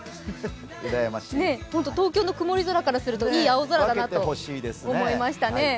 東京の曇り空からするといい青空だなと思いましたね。